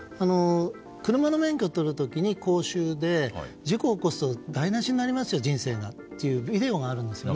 車の免許を取るときの講習で事故を起こすと人生が台無しになりますよというビデオがあるんですよね。